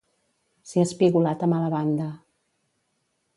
Ser espigolat a mala banda.